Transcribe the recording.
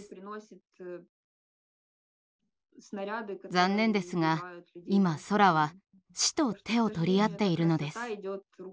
残念ですが今空は死と手を取り合っているのです。